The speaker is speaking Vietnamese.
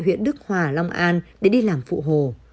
huyện đức hòa long an để đi làm phụ hồ